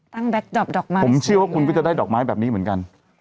แก๊กดอปดอกไม้ผมเชื่อว่าคุณก็จะได้ดอกไม้แบบนี้เหมือนกัน